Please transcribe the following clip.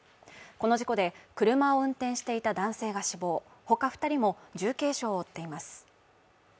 この事故で車を運転していた男性が死亡、他２人も重軽傷を負っています。